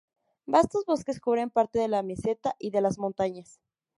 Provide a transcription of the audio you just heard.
Vastos bosques cubren parte de la meseta y de las montañas.